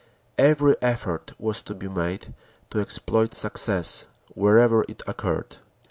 Every effort was to be made to exploit success wherever it occurred.